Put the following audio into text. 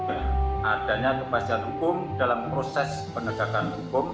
penyelidikan ini sebagai bagian adanya kebasan hukum dalam proses penegakan hukum